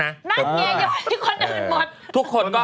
น่าเกียรติกว่าที่คนอื่นหมด